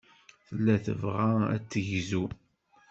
Tella tebɣa ad tegzu.